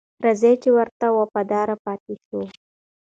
راځئ چې ورته وفادار پاتې شو.